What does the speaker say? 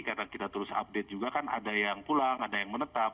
karena kita terus update juga kan ada yang pulang ada yang menetap